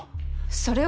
それは。